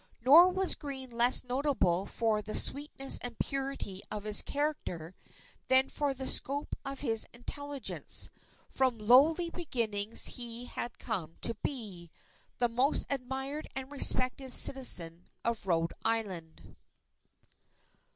Nor was Greene less notable for the sweetness and purity of his character, than for the scope of his intelligence. From lowly beginnings he had come to be ... the most admired and respected citizen of Rhode Island."